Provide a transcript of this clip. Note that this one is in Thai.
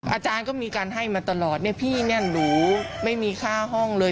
อาจารย์ก็มีการให้มาตลอดเนี่ยพี่เนี่ยหนูไม่มีค่าห้องเลย